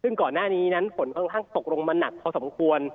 ซึ่งก่อนหน้านี้นั้นฝนค่อนข้างตกลงมาหนักพอสมควร